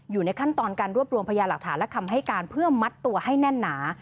อยู่ในขั้นตอนการรวบรวมพยาหลักฐานและคำให้การเพื่อมัดตัวให้แน่นหนา